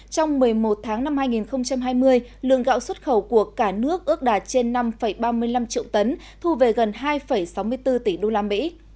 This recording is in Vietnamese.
trong một mươi một tháng năm hai nghìn hai mươi lượng gạo xuất khẩu của cả nước ước đạt trên năm ba mươi năm triệu tấn thu về gần hai sáu mươi bốn tỷ đô la mỹ